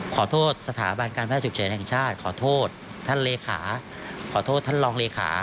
ขอโทษสถาบันการแพทย์ฉุกเฉียนแห่งชาติขอโทษท่านเลขา